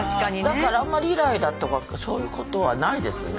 だからあんまりイライラとかそういうことはないですね。